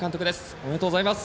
おめでとうございます。